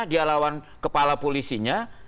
dia lawan kepala polisinya